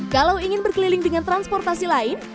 kalau ingin berkeliling dengan transportasi lain